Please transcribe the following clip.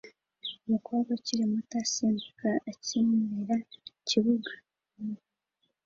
Umukobwa ukiri muto asimbuka akinira ikibuga